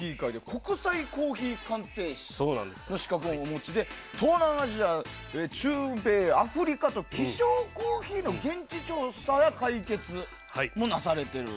国際コーヒー鑑定士の資格をお持ちで東南アジア、中米、アフリカと希少コーヒーの現地調査や買い付けもなされている。